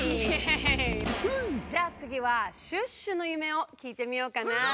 じゃあつぎはシュッシュの夢をきいてみようかな！